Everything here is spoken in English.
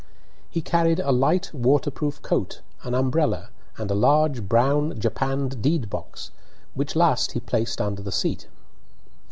He carried a light waterproof coat, an umbrella, and a large brown japanned deed box, which last he placed under the seat.